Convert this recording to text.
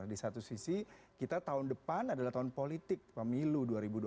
di satu sisi kita tahun depan adalah tahun politik pemilu dua ribu dua puluh